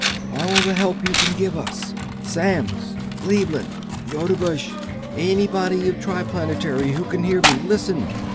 "... all the help you can give us. Samms Cleveland Rodebush anybody of Triplanetary who can hear me, listen!